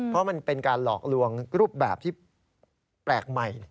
เพราะมันเป็นการหลอกลวงรูปแบบที่แปลกใหม่